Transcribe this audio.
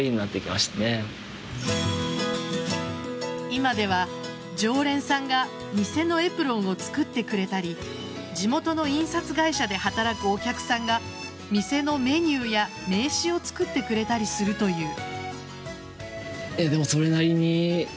今では、常連さんが店のエプロンを作ってくれたり地元の印刷会社で働くお客さんが店のメニューや名刺を作ってくれたりするという。